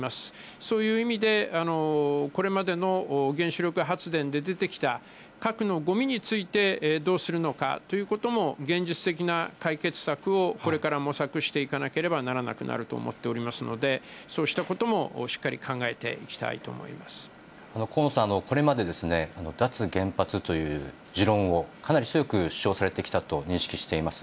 そういう意味で、これまでの原子力発電で出てきた核のごみについて、どうするのかということも、現実的な解決策をこれから模索していかなければならなくなると思っておりますので、そうしたこともしっかり考えていきたいと思い河野さん、これまでですね、脱原発という持論をかなり強く主張されてきたと認識しています。